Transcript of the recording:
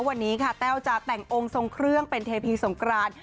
วันนี้ค่ะแต้วจะแต่งองค์ทรงเครื่องเป็นเทพีสงกราน